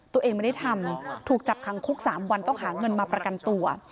ตัวเองไม่ได้ทำถูกจับคังคุก๓วันต้องหาเงินมาประกันตัว